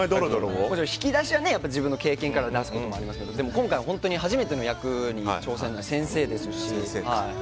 引き出しは自分の経験から出すこともありますけど今回は本当に初めての役に挑戦で先生ですし。